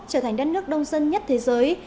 trở thành đất nước đông dân nhất thế giới